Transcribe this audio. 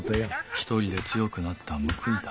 １人で強くなった報いだ。